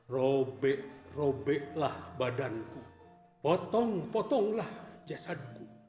robek robeklah badanku potong potonglah jasadku